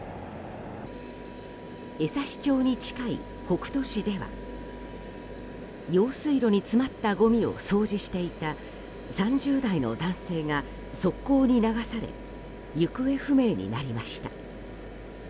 江差町に近い北斗市では用水路に詰まったごみを掃除していた３０代の男性が側溝に流され行方不明になりました。